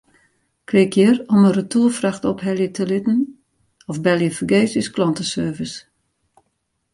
Klik hjir om in retoerfracht ophelje te litten of belje fergees ús klanteservice.